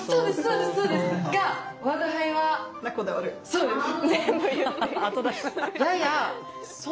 そうです。